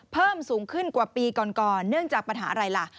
เพิ่มสูงขึ้นกว่าปีก่อนก่อนเนื่องจากปัญหาอะไรล่ะ